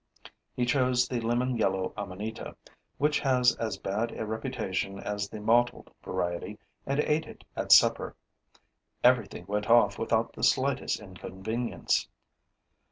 He chose the lemon yellow amanita, which has as bad a reputation as the mottled variety, and ate it at supper. Everything went off without the slightest inconvenience.